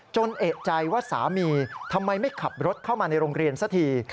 เอกใจว่าสามีทำไมไม่ขับรถเข้ามาในโรงเรียนสักที